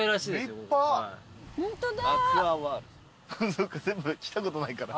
そっか来たことないから。